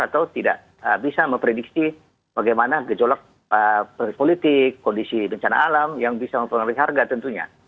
atau tidak bisa memprediksi bagaimana gejolak politik kondisi bencana alam yang bisa mempengaruhi harga tentunya